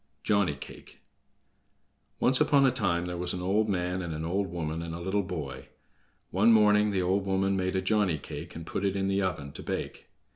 Johnny Cake Once upon a time there was an old man, and an old woman, and a little boy. One morning the old woman made a Johnny cake, and put it in the oven to bake.